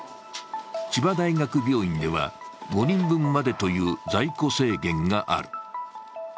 千葉大学病院では５人分までという在庫制限がある。